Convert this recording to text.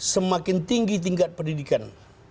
semakin tinggi tingkat pendidikan